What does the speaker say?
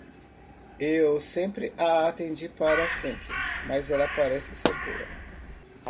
Eu sempre a entendi para sempre, mas ela parece ser boa.